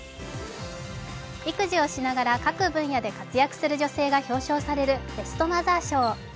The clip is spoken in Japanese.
育児をしながら各分野で活躍するる女性が表彰されるベストマザー賞。